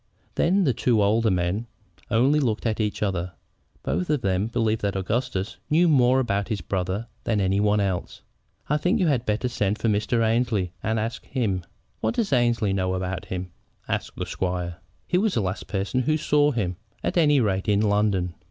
Then the two older men only looked at each other. Both of them believed that Augustus knew more about his brother than any one else. "I think you had better send to Mr. Annesley and ask him." "What does Annesley know about him?" asked the squire. "He was the last person who saw him, at any rate, in London."